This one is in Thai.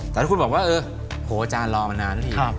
แต่ถ้าคุณบอกว่าโอ้โฮจานรอมานานแล้วนี่